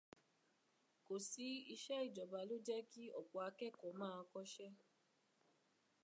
Kò sí iṣẹ́ ìjọba ló jẹ́ kí ọ̀pọ̀ akẹ́kọ̀ọ́ ma kọ́ṣẹ́.